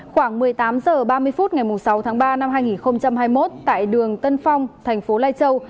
khoảng một mươi tám h ba mươi phút ngày sáu tháng ba năm hai nghìn hai mươi một tại đường tân phong thành phố lai châu